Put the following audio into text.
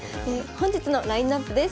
本日のラインナップです。